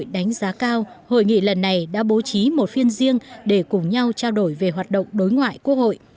đánh giá cao hội nghị lần này đã bố trí một phiên riêng để cùng nhau trao đổi về hoạt động đối ngoại quốc hội